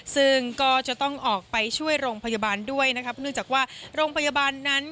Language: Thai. ซึ่งก็จะต้องออกไปช่วยโรงพยาบาลด้วยนะครับเนื่องจากว่าโรงพยาบาลนั้น